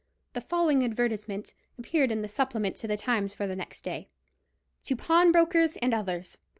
The following advertisement appeared in the Supplement to the Times for the next day: "_To Pawnbrokers and Others.